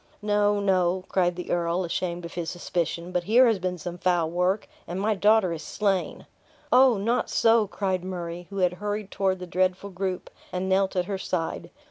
"No, no," cried the earl, ashamed of his suspicion; "but here has been some foul work and my daughter is slain." "Oh, not so!" cried Murray, who had hurried toward the dreadful group, and knelt at her side.